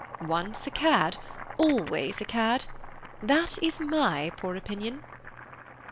"Once a cad, always a cad. That is my poor opinion."